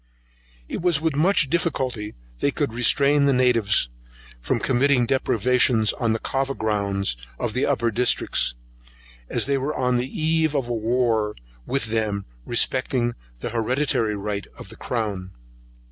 It was with much difficulty they could restrain the natives from committing depredations on the Cava grounds of the upper districts, as they were on the eve of a war with them respecting the hereditary right of the crown.